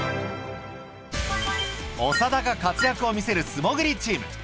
長田が活躍を見せる素潜りチーム